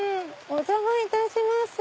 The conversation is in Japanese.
お邪魔いたします。